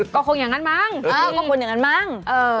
ก็คงอย่างนั้นมั้ง